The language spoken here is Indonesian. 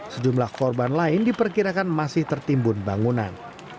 sejumlah korban lain diperkirakan masih tertimbun bangunan